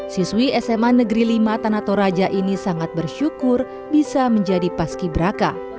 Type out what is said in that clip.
siswi sma negeri lima tanatoraja ini sangat bersyukur bisa menjadi paski braka